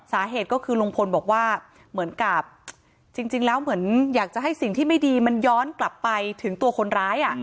สาเหตุก็คือลุงพลบอกว่าเหมือนกับจริงแล้วเหมือนอยากจะให้สิ่งที่ไม่ดีมันย้อนกลับไปถึงตัวคนร้าย